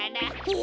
え！